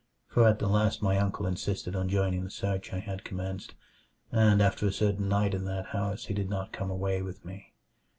For at the last my uncle insisted on joining the search I had commenced, and after a certain night in that house he did not come away with me.